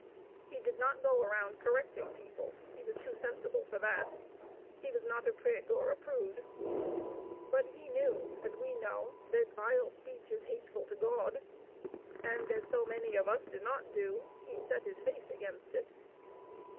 He did not go around correcting people. He was too sensible for that. He was not a prig or a prude. But he knew, as we know, that vile speech is hateful to God; and, as so many of us do not do, he set his face against it.